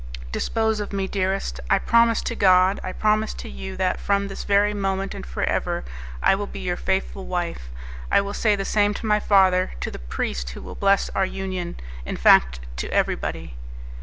"Dispose of me, dearest. I promise to God, I promise to you that, from this very moment and for ever, I will be your faithful wife; I will say the same to my father, to the priest who will bless our union in fact, to everybody."